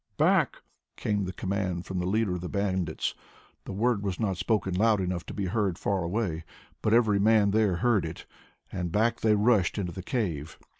"Back!" came the command from the leader of the bandits. The word was not spoken loud enough to be heard far away, but every man there heard it, and back they rushed into the cave.